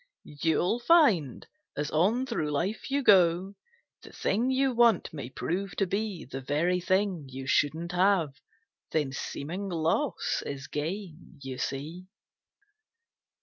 You'll find as on through life you go The thing you want may prove to be The very thing you shouldn't have. Then seeming loss is gain, you see.